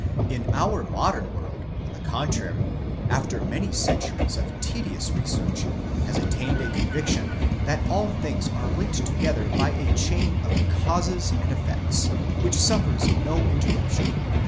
Our modern world, on the contrary, after many centuries of tedious re search, has attained a conviction, that all things are linked together by a chain of causes and effects, which suffers no interruption.